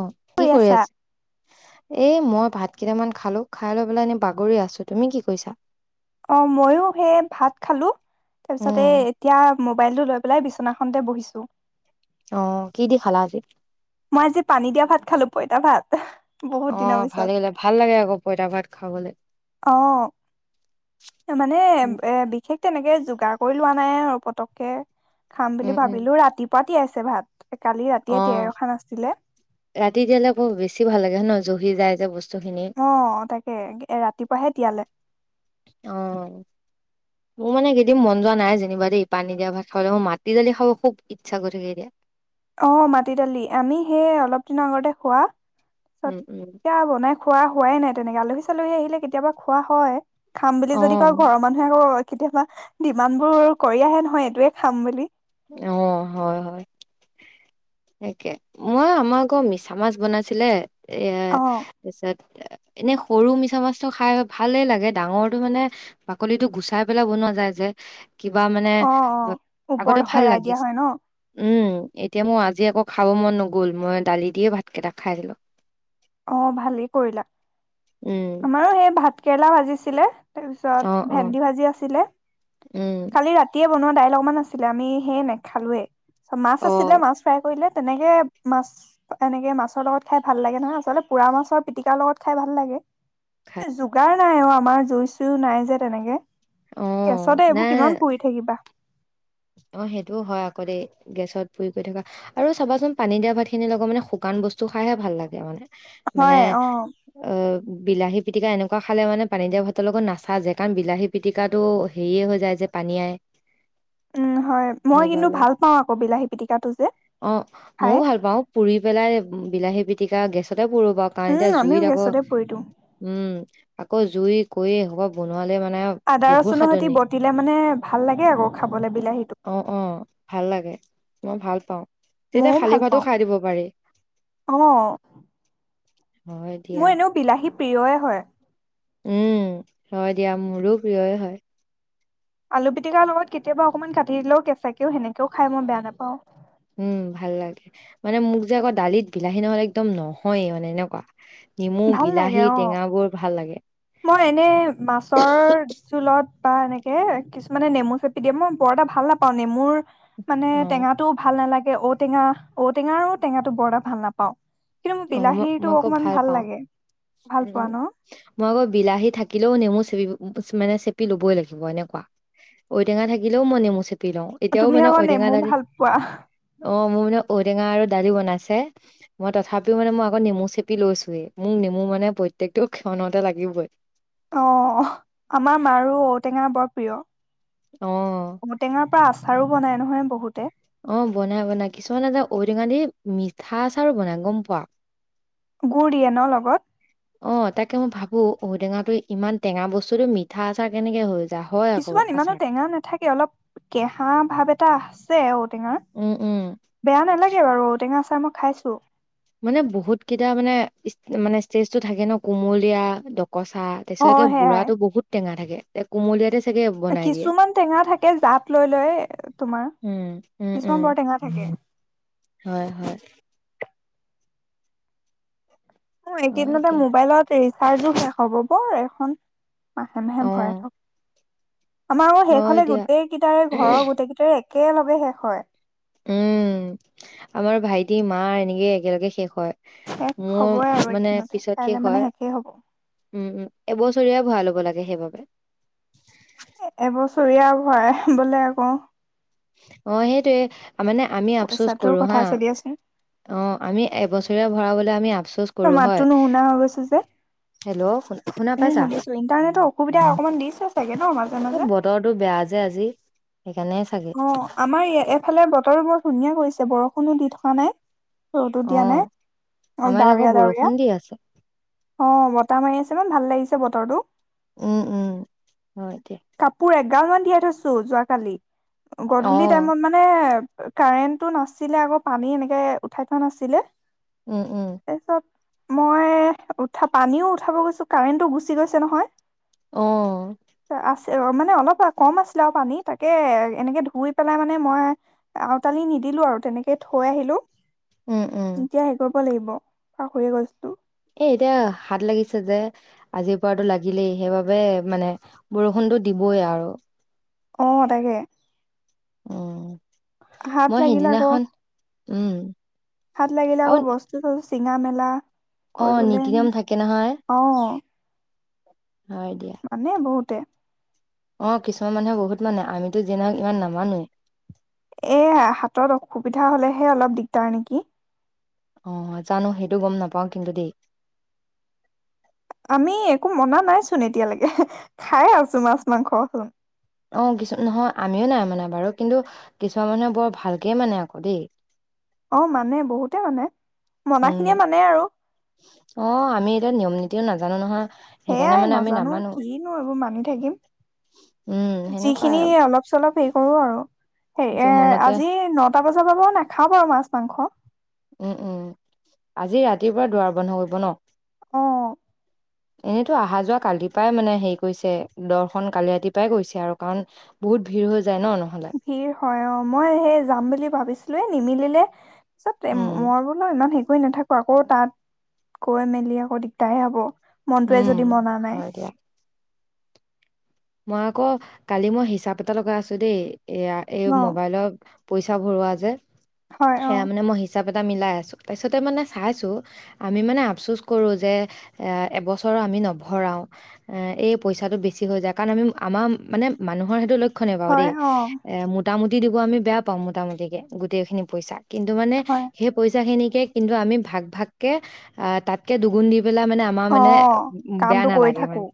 অ কি কৰি আছে। এই মই ভাত কেইটা খালো খাই লৈ পেলাই এনেই বাগৰি আছো তুমি কি কৰিছা----। অ'! মইয়ো হে ভাত খালোঁ, তাৰপিছতে উম এতিয়া ম মোবাইলটো লৈ পেলাই বিছনাখনতে বহিছোঁ। অ'! কি দি খালা আজি? মই আজি পানী দিয়া ভাত খালোঁ, পইতা ভাত। বহুত দিনৰ অ'! পিছত। ভালেই, ভালে লাগে আকৌ পইতা ভাত খাবলে। অ মানে, এ, বিশেষ তেনেকে যোগাৰ কৰি লোৱা নাই আৰু পতককে। খাম বুলি উম উম ভাবিলোঁ ৰাতিপুৱাত। কি আছে ভাত? কালি অ ৰাতিয়ে তিয়াই ৰখা নাছিলে। ৰাতি তিয়ালে ক' বেছি ভাল লাগে, হয় নহয়, জহি যাই যে বস্তু খিনি অ'! তাকে, এ, ৰাতিপুৱাহে তিয়ালে। অ'! মোৰ মানে, এইকেইদিন মন যোৱা নাই যেনিবা দেই পানী দিয়া ভাত খাবলে। মোৰ মাটি দালি খাব খুব ইচ্ছা গৈ থাকে এতিয়া। অ'! মাটি দালি, আমি, সেই অলপ দিনৰ আগতে খোৱা। তাৰপিছত, উম উম এয়া, বনাই খো খোৱা হোৱাই নাই তেনেকে, আলহী চালহী আহিলে কেতিয়াবা খোৱা হয়। খাম অ বুলি যদি কয়! ঘৰৰ মানুহে কৈ কেতিয়াবা, দিমাণ্ডবোৰ কৰি আহে নহয়, এইটোৱে খাম বুলি। অ'! হয় হয়, একে। মই, আমাৰ আকৌ মিছা মাছ বনাইছিলে। এ, অ পিছত এনেই সৰু মিছা মাছটো খায় ভালেই লাগে। ডাঙৰটো মানে, বাকলিটো গুচাই পেলাই বনোৱা যায় যে। কিবা মানে, আগতে ভাল হেৰাই দিয়া হয় লাগিছিল ন'। উম, এতিয়া মোৰ আজি আকৌ খাব মন নগ'ল, মই দালি দিয়ে ভাতকেইটা খায় দিলোঁ। অ ভালেই কৰিলা উম আমাৰো সেই ভাত কেৰেলা ভাজিছিলে। তাৰপিছত, অ অ ভেন্দি ভাজি আছিলে। উম কালি ৰাতিয়ে বনোৱা দাইল অকমান আছিলে। আমি সে, নেখালোৱে। মাছ অ আছিলে মাছ ফ্ৰাই কৰিলে। তেনেকে মাছ, এনেকে মাছৰ লগত খায় ভাল লাগে নহয়। তহঁতৰ পোৰা মাছৰ পিটিকা লগত খাই ভাল লাগে? খাই এ, যোগাৰ নাই অ'! আমাৰ, জুই চুইও নাই যে তেনেকে। অ গেছতে এইবোৰ নাই কিমান কৰি থাকিবা। অ সেইটোও হয় আকৌ দে গেছত পুৰি পুৰি থকা আৰু চাবাচোন পানী দিয়া ভাত খিনি লগত মানে শুকান বস্তু খাইহে ভাল লাগে মানে। মানে হয় অ অহঁ। বিলাহী পিটিকা এনেকুৱা খালে মানে পানী দিয়া ভাতৰ লগত নাচাজে কাৰণ বিলাহী পিতিকাটো হেৰিয়ে হৈ যায় যে পানীআয়। উ হয় মই কিন্তু ভাল পাওঁ আকৌ বিলাহী পিতিকাটো যে খাই উ বিলাহী পিতিকা গেছত তাতে পুৰিবা উম কাৰেন্টৰ আমিও জুইত আকৌ গেছতে পুৰি দিওঁ উম আকৌ জুই কৰি হব বনোঁৱা আদা ৰচুনৰ সৈতে বটিলে মানে ভাল লাগে আকৌ খাবলে বিলাহী অ অ ভাল লাগে। মই ভাল পাওঁ তেতিয়া মইও খালী ভাল ভাতো পাওঁ খাই দিব পাৰি অহঁ হয় দিয়া মোৰ এনেও বিলাহী প্ৰিয়ই হয়। উম হয় দিয়া মোৰো প্ৰিয়ই হয়। আলু পিটিকাৰ লগত কেতিয়াবা অকমান কাটি দিলেও কেঁচাকেও সেনেকেও খাই মই বেয়া নাপাওঁ উম ভাল লাগে মানে মোক যে আকৌ দালিত বিলাহী নহ'লে একদম নহয়ে মানে এনেকুৱা নেমু, ভাল লাগে বিলাহী, অ টেঙাবোৰ ভাল লাগে মই এনে মাছৰ জোঁলত বা এনেকে কিছুমানে নেমু চেপি দিয়ে মই বৰ এটা ভাল নাপাওঁ নেমুৰ মানে অ', টেঙাটোও ভাল নালাগে তে ঔটেঙা, ঔটেঙা আৰু টেঙাটো বৰটা ভাল নাপাওঁ। কিন্তু মোৰ অ', মই বিলাহীটো মই আকৌ অকনমান ভাল পাওঁ লাগে। ভাল পোৱা উম ন মই আকৌ বিলাহী থাকিলেও নেমু মানে চেপি লবই লাগিব এনেকুৱা ঔটেঙা থাকিলেও মই নেমু চেপি- দি লওঁ এতিয়াও তুমি মানে আকৌ ঔটেঙা নেমু দালি, ভাল পোৱা অহঁ মোৰ মানে ঔটেঙা আৰু দালি বনাইছে মই তথাপিওঁ তহঁ মানে মই আকৌ নেমু চেপি লৈছোৱে মোক নেমু মানে প্ৰত্যেকটো ক্ষণতে লাগিবই। অ আমাৰ মাৰো ঔটেঙা বৰ অ', প্ৰিয় ঔটেঙাৰ পৰা আচাৰো বনাই নহয় বহুতে। অ বনাই বনাই কিছুমানে যে ঔটেঙা দি মিঠা আচাৰো বনাই গম পোৱা। গু়ৰ দিয়ে ন লগত অ তাকে মই ভাবো ঔটেঙাটো ইমান টেঙা বস্তুটো মিঠা আচাৰ কেনেকে হৈ যায়। হয় আকৌ কিছুমান ইমানো আচাৰটো। টেঙা নাথাকে অলপ কেহা ভাৱ এটা আচে যে [unintelligible] ঔটেঙাৰ উম, উম। বেয়া নালাগে বাৰু ঔটেঙা আচাৰ আচাৰ মই খাইছোঁ। মানে বহুত কেইটা মানে মানে ষ্টেজটো থাকে নহঁ কুমলীয়া কঁচা অ তাৰছাগে সেয়াই বুঢ়াতো বহুত টেঙা থাকে। তে কুমলিয়াতে কিছুমান টেঙা থাকে জাত লৈ লৈ তোমাৰ উম, উম, উম, কিছুমান বৰ টেঙা হয়, হয়। থাকে। অ হয় এইকেইদিনতে দিয়া মোবাইলত এই ৰিচাৰ্জো শেষ হ'ব বৰ এখন। মাহে মাহে অ', ভৰাই থাক আমাৰ আৰু শেষ হয় হলে দিয়া গোটেইকেইটাৰে ঘৰৰ গোটেইকেইটাৰে একে একে লগে শেষ হয় উম আমাৰ ভাইটি মা এনেকে একেলগে শেষ হয়। শেষ মোৰ হবই আৰু মানে এইকেইদিনতে পিছত শেষ কাইলে হয় মানে শেষেই হ'ব। উম, উম, এবছৰীয়া ভৰাই ল'ব লাগে সেইবাবে চৰিয়া ভয়াবলে বোলে আকৌ অহঁ, সেইটোৱে মানে আমি আফচোচ পইচাটোৰ কৰো কথা হাঁ আছে দিয়াচোন। অহঁ আমি এবছৰ ভৰাবলৈ আমি আফচোচ তোৰ কৰোঁ হয়। মাততো নুশুনা হৈ গৈছো যে। হেল্ল' শু শুনা উম পাইছা? শুনিছো ইন্টাৰনেটৰ অসুবিধা অকমান দিছে চাগে ন মাজে এই মাজে। বতৰটো বেয়া যে আজি। সেইকাৰণে চাগে। অহঁ আমাৰ এফালে বতৰো বৰ ধুনীয়া কৰিছে বৰষুণো দি থাক হোৱা নাই। ৰ'দো অ', দিয়া নাই অ আমাৰ ইয়াত আকৌ ডাৱৰীয়া ডাৱৰীয়া বৰষুণ দি আছে। অ বতাহ মাৰি আছে ইমান ভাল লাগিছে ব বতৰতো উম উম হয় দে এগালমান তিৱাই থৈছো যোৱাকাঁলি গধূলি অ', টাইমত মানে কাৰেণ্টটো নাছিলে আকৌ পানী এনেকে উঠাই থোৱা নাছিলে। উম উম। তাৰপিছত মই উঠা পানীও উঠাব গৈছো কাৰেণ্টো গুচি গৈছে নহয়। অহ আছে মানে অলপ কম আছিলে আও পানী তাকে তাকে এনেকে ধুই পেলাই মানে মই আউতালি নিদিলো আৰু তেনেকে থৈ আহিলোঁ। উম, উম। এতিয়া হেৰি কৰিব লাগিব। পাহৰি এ গৈছিলোঁ এ এতিয়া হাত লাগিছে যে আজিৰ পৰাতো লাগিলেই সেইবাবে মানে বৰষুণটো দিবই আৰু- অ তাকে। অহঁ হাত লাগিল আকৌ উম ভাত লাগিলে আকৌ বস্তু চছ চিঙামেলা অহঁ নীতি নিয়ম থাকে নহয়। [inaudible] হয় দিয়া তে অহঁ কিছুমান মানুহে বহুত মানে আমিতো যিমান হওঁক ইমান নামানোৱেই এয়া হাতত অসুবিধা হলেহে অলপ দিগদাৰ নেকি। অহ জানো সেইটো গম নাপাওঁ কিন্তু দেই। আমি একো মনা নাইচোন এতিয়ালৈকে খাই আছো মাছ মাংস হোন অ কিছু নহয় আমিও নাই মনা বাৰু কিন্তু কিছুমান মানুহে বৰ ভালকে মানে আকৌ দেই। অ মানে বহুতে মানে মনা উম খিনিয়ে মানে আৰু অ আমি এতিয়া নিয়ম নীতিও নাজানো নহয়। সেইকাৰণে সেয়াই মানে আমি নাজানো নামানো কিনো এইবোৰ মানি থাকিম উম সেনেকুৱাই যিখিনি অলপ চলপ পে' কৰোঁ আৰু সেই এইটো এ মনতে আজি নটা বজাত কেতিয়াবা বাৰু নাখাওঁ মাছ মাংস উম উম আজি ৰাতিপুৱা দুৱাৰ বন্ধ কৰিব নহঁ অহঁ এনেইতো অহা যোৱা কালিৰ পৰাই মানে হেৰি কৰিছে দৰ্শন কালি ৰাতিপুৱাই গৈছে আৰু কাৰণ বহুত ভিৰ হৈ যায় নহ নহ'লে ভিৰ হয় অহঁ মই সেই যাম বুলি ভাবিছিলো এ নিমিলিলে পিছত উম মই বোলো ইমান হে কৰি নাথাকো আকৌ তাত গৈ মেলি আকৌ দিগদাৰ হব। মনটোৱে উম যদি মনা নাই। হয় দিয়া মই আকৌ কালি মই হিচাপ এটা লগাই আছোঁ দেই এয়া এই ন মোবাইলৰ পইচাঁ ভৰোৱা যে হয় অ সেয়া মানে মই হিচাপ এটা পইচা মিলাই আছোঁ, পইচা ত মানে চাইছোঁ আমি মানে আপচোছ কৰোঁ যে এবছৰ আমি নভৰাওঁ এ পইচাঁটো বেছি হয় যায় কাৰণ আমি আমাৰ মানে মানুহৰ সেইটো ল ক্ষনে বাৰু হয় দেই অ এ মোটামুটি গুট দিব আমি বেয়া পাওঁ, মোটামুটিকৈ গোটেইখিনি পইচা কিন্তু মানে হয় সেই পইচাখিনিকে কিন্তু আমি ভাগ ভাগকে তাঁতকে দুগুণ দি পেলাই মানে আমাৰ অ মানে উ, বেয়া কামটো কৰি নালাগে থাকো মানে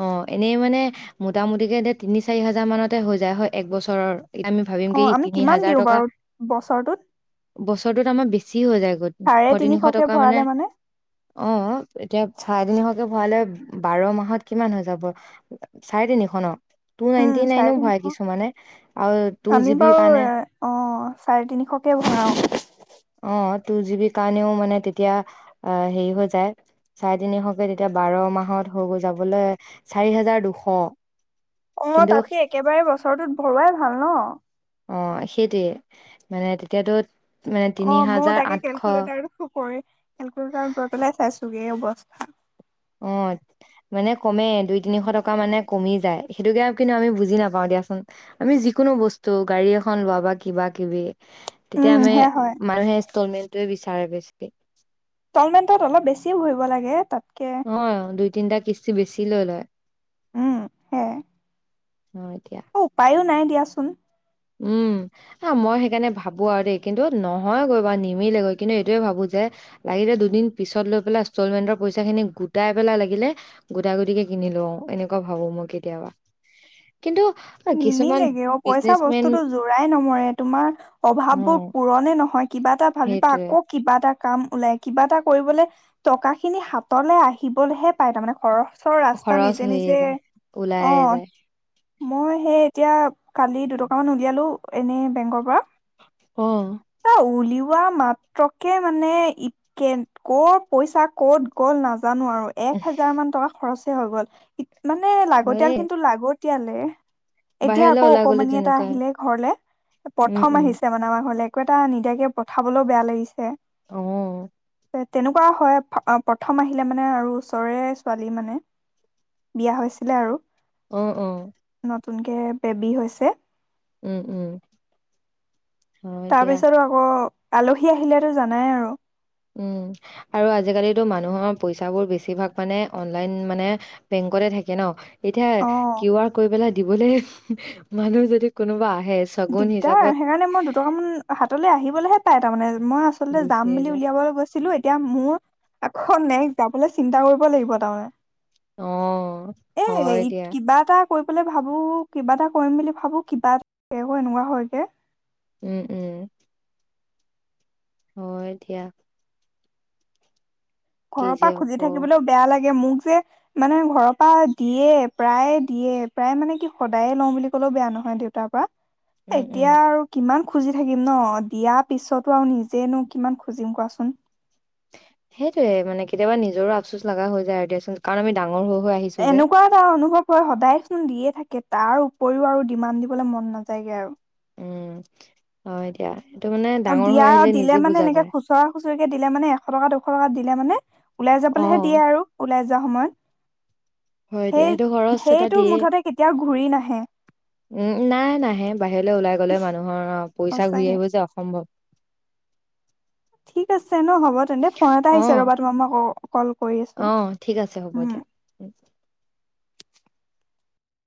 অ এনেই মানে মোটামুটি কে, দে তিনি চাৰি হাজাৰ মানতে হৈ যায় হয় এক বছৰৰ এতিয়া আমি ভাবিম অ কি আমি তিনি কিমান হাজাৰ দিওঁ টকা বাৰু বছৰটোত বছৰটোত আমাৰ বেছি হৈ যায় দুশ চাৰে তিনিশ তিনিশকে টকা মানে ভৰালে অ এতিয়া চাৰে তিনিশ ভৰালে বাৰ মাহত কিমান হৈ যাব। চাৰে তিনিশ ন? টু উম নাইনটি চাৰে নাইনো ভৰাই তিনিশ কিছুমানে আৰু টু আমি জিবিৰ বাৰু কাৰণে অহঁ চাৰে তিনিশকে ভৰাওঁ অ টু জি বি কাৰণেও মানে তেতিয়া অ হেৰি হৈ যায় চাৰে তিনিশকে তেতিয়া বাৰ মাহত হৈ গৈ যাবলৈ চাৰি হাজাৰ দুশ অহঁ। অ তাঁতকে একেবাৰে বছৰটোত ভৰোৱাই ভাল নহঁ অ সেইটোৱে মানে তেতিয়াতো মানে তিনি অ মইওঁ হাজাৰ তাকে আঠশ কেলকুলেটাৰ কেলকুলেটাৰ গৈ পেলাই চাইছোঁ। এ অৱস্থা অ মানে কমেই দুই তিনিশ টকা মানে কমি যায় সেইটোকে আৰু কিন্তু আমি বুজি নাপাওঁ দিয়াচোন আমি যিকোনো বস্তু গাড়ী এখন লোৱা বা কিবা কিবি তেতিয়া উম আমি সেয়া হয় মানুহে ষ্টলমেটোৱে বিচাৰে বেছ ষ্টলমেণ্টত অলপ বেছি ভৰিব লাগে তাতঁ অ দুই তিনিটা কিস্তি বেছি লৈ লয়। উম হে। অ এতিয়া অহঁ উপায়ো নাই দিয়াচোন। উম উম হাঁ, মই সেইকাৰণে ভাবো আৰু দেই কিন্তু নহয়গৈ বা নিমিলেগৈ কিন্তু এইটোৱে ভাবো যে লাগিলে দুদিন পিছত লৈ পেলাই ইনষ্টলমেন্টৰ পইচা খিনি গোটাই পেলাই লাগিলে গোটাই গুটিকে কিনি লওঁ এনেকুৱা ভাবো মই কেতিয়াবা কিন্তু আ, কিছুমান নিমিলেগে অ পইচা বস্তু বিজনেচমেন তোৰ, তো জোৰাই নমৰে তোমাৰ অ অভাৱ বোৰ পুৰণে নহয়। কিবা এটা ভাবিবা সেইটোয়ে আকৌ কিবা এটা কাম ওলাই কিবা এটা কৰিবলে টকা খিনি হাঁতলে আহিবলেহে পায় তাৰমানে। খৰচৰ ৰাস্তা খৰচ নিজে হৈয়ে নিজে যায় ওলায়ে অহঁ যায় মই। সেই এতিয়া। কালি দুটকামান উলিয়ালো। এনে বেংকৰ পৰা। অ। এ উলিওৱা মাত্ৰকে মানে ই কে কৰ পইচা ক'ত গ'ল নাজান। জানো আৰু এক হেজাৰ মান টকা খৰচ। হৈ গ'ল। মানে লাগতিয়াল হয়ে কিন্তু লাগত। তেতিয়ালে। এতিয়া বাহিৰলৈ আকৌ ওলাই গ'লে অকমানি এটা তেনেকুৱাই আহিলে ঘৰলে উম প্ৰথম উম আহিছে মানে আমাৰ ঘৰলে। একো এটা নিদাকে পঠাবলৈও বেয়া লাগিছে। অহ। তেনেকুৱা হয় প্ৰথম আহিলে মানে আৰু ওচৰে ছোৱালী মানে বিয়া হৈছিলে আৰু। অ অ। নতুনকে বেবি হৈছে। উম উম। হয় দিয়া তাৰপিছতো আকৌ। আলহী আহিলেতো জানাই আৰু। উম আৰু আজিকালো মানুহৰ পইচা বোৰ বেছিভাগ মানে অনলাইন মানে বেংকতে থাকে ন। এতিয়া অ'। কিউ আৰ কৰি পেলাই। দিবলৈ মানুহ যদি কোনোবা আহে। ছগুণ দিগদাৰ হিচাপত সেইকাৰণে মই দুটকামান হাতলৈ আহিবলৈহে পাই। তাৰ মানে। মই আচলতে যাম গুচিয়ে বুলি যায় উলিয়াবলৈ গৈছিলো এতিয়া মোৰ আকৌ খন নেক্সট যাবলৈ চিন্তা কৰিব লাগিব তাৰমানে। অ হয় দিয়া। কৰিবলৈ ভাবো কিবা এটা কৰিম বুলি ভাবো কিবা এটা। সো এনেকুৱা হয়গে। উম উম। হয় এ দিয়া। কি ঘৰৰ যে পৰা খুজি হব থাকিবলৈও বেয়া লাগে। মোক যে মানে ঘৰৰ পৰা দিয়ে প্ৰায়ে দিয়ে প্ৰায় মানে কি সদায়ে লওঁ বুলি ক'লেও বেয়া নহয় দেউতাৰ পৰা। উম উম এতিয়া আৰু কিমান। খুজি থাকিম ন দিয়া পিছতো আৰু নিজেনো কিমান খুজিম কোৱাচোন। সেইটোয়ে মানে কেতিয়াবা নিজৰো আফচোচ লগা হৈ যায় আৰু দিয়াচোন কাৰণ আমি ডাঙৰ। হৈ হৈ আহিছো যে এনেকুৱা এটা অনুভৱ। হয় সদায় চোন দিয়ে থাকে তাৰ উপৰিও আৰু ডিমান দিবলৈ মন নাযায়গে আৰু। উম অ এতিয়া অ দিয়া দিলে মানে এনেকে খুচুৰা খুচৰিকে দিলে মানে এশ টকা শ টকাত দিলে মানে ওলাই অ যাবলৈহে দিয়ে আৰু ওলাই য ৰোৱা সময়ত। হয় দিয়া সেই সেইটো খৰচ এটা সেইটো দিয়ে, মুঠতে কেতিয়াও ঘূৰি নাহে উম নাই নাহে বাহিৰলৈ ওলাই গলে মানুহৰ আহ পইচা ঘূৰি সঁচাকে। আহিব যে অসম্ভৱ। ঠিক আছে ন হ'ব তেন্তে ফোন এটা আহিছে ৰ'বা তোমাৰ ক কল কৰি আছো অহ ঠিক আছে হ'ব উম। দিয়া।